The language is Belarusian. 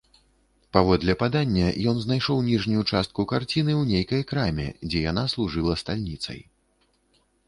Паводле падання, ён знайшоў ніжнюю частку карціны ў нейкай краме, дзе яна служыла стальніцай.